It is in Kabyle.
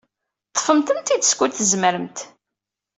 Ḍḍfemt-tent-id skud tzemremt.